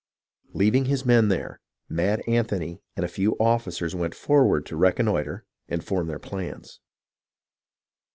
Leaving his men there. Mad Anthony and a few officers went forward to reconnoitre and form their plans.